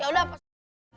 ya udah pak